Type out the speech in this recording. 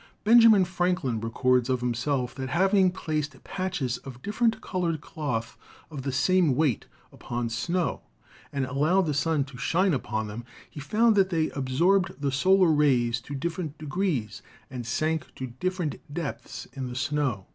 Benjamin Franklin records of himself that having placed patches of different colored cloth of the same weight upon snow and allowed the sun to shine upon them, he found that they absorbed the solar rays to different degrees and sank to different depths in the snow.